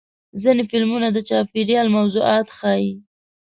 ځینې فلمونه د چاپېریال موضوعات ښیي.